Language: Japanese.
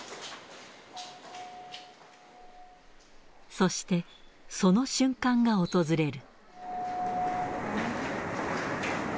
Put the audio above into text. そして、その瞬間が訪れる。